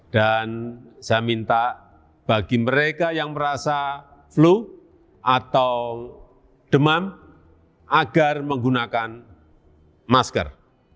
dan saya minta bagi mereka yang merasa flu atau demam agar menggunakan masker